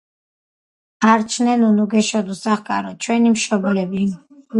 არჩნენ უნუგეშოდ, უსახლკაროდ ჩვენი მშობლები. ი